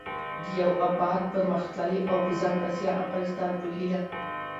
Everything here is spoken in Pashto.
د يو اباد٬پرمختللي او په ځان بسيا افغانستان په هيله